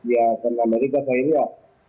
ya karena mereka sayangnya